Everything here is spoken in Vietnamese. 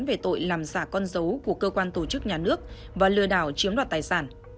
về tội làm giả con dấu của cơ quan tổ chức nhà nước và lừa đảo chiếm đoạt tài sản